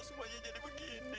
semuanya jadi begini